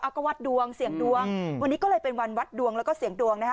ก็วัดดวงเสี่ยงดวงวันนี้ก็เลยเป็นวันวัดดวงแล้วก็เสี่ยงดวงนะฮะ